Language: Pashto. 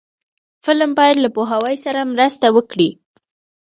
فلم باید له پوهاوي سره مرسته وکړي